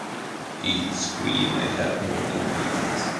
Each screen may have more than one exit.